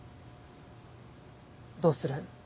どうする？